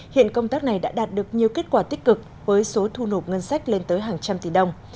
hiện công tác này đã đạt được nhiều kết quả tích cực với số thu nộp ngân sách lên tới hàng trăm tỷ đồng